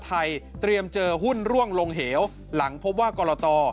เตรียมเจอหุ้นร่วงลงเหวหลังพบว่ากรต